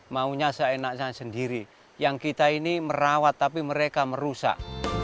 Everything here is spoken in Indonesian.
maunya seenak saya sendiri yang kita ini merawat tapi mereka merusak